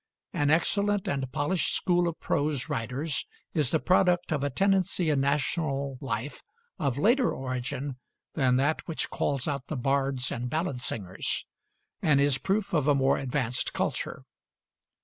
An excellent and polished school of prose writers is the product of a tendency in national life of later origin than that which calls out the bards and ballad singers, and is proof of a more advanced culture.